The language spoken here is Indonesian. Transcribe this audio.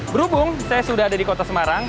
berhubung saya sudah ada di kota semarang